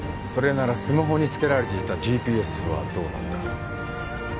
それならスマホに付けられていたＧＰＳはどうなんだ？